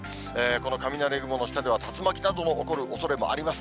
この雷雲の下では竜巻なども起こるおそれもあります。